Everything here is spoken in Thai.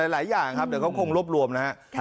หลายอย่างครับเดี๋ยวเขาคงรวบรวมนะครับ